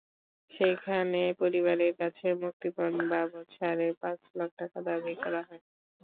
সেখানে পরিবারের কাছে মুক্তিপণ বাবদ সাড়ে পাঁচ লাখ টাকা দাবি করা হয়।